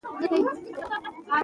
افغانستان د ژمی له پلوه متنوع دی.